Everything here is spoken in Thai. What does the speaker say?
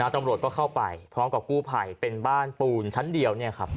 ตำรวจก็เข้าไปพร้อมกับกู้ภัยเป็นบ้านปูนชั้นเดียว